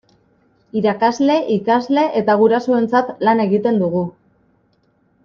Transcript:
Irakasle, ikasle eta gurasoentzat lan egiten dugu.